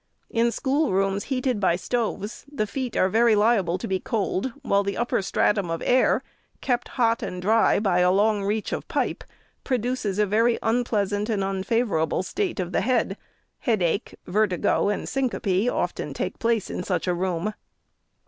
In schoolrooms heated by stoves, the feet are very liable to be cold, while the upper stratum of air, kept hot and dry by a long reach of pipe, produces a very unpleasant and unfavorable state of the head — head ache, vertigo, and syncope often take place in such a room.